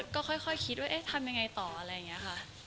ก็ค่อยคิดว่าทำยังไงต่ออะไรอย่างนี้ค่ะ